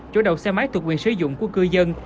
chủ đầu xe máy thuộc quyền sử dụng của cư dân